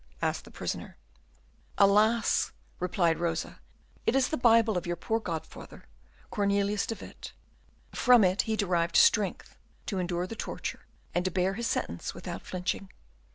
asked the prisoner. "Alas!" replied Rosa, "it is the Bible of your poor godfather, Cornelius de Witt. From it he derived strength to endure the torture, and to bear his sentence without flinching.